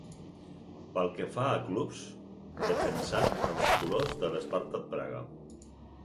Pel que fa a clubs, defensà els colors de l'Sparta Praga.